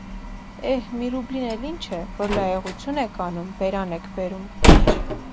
- Է՛հ, մի ռուբլին էլ ի՞նչ է, որ լայեղություն եք անում, բերան եք բերում…